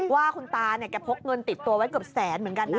ว่าคุณตาเนี่ยแกพกเงินติดตัวไว้เกือบแสนเหมือนกันนะ